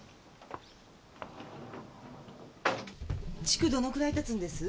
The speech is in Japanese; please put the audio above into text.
築どのくらい経つんです？